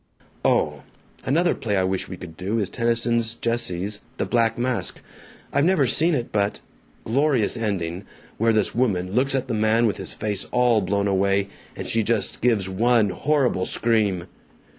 Oh. Another play I wish we could do is Tennyson Jesse's 'The Black Mask.' I've never seen it but Glorious ending, where this woman looks at the man with his face all blown away, and she just gives one horrible scream."